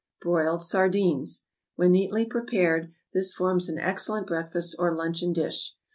=Broiled Sardines.= When neatly prepared, this forms an excellent breakfast or luncheon dish.